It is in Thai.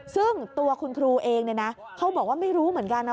ซึ่งตัวคุณครูเองเขาบอกว่าไม่รู้เหมือนกันนะ